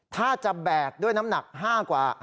ถ้าจะแบกด้วยน้ำหนัก๕กว่า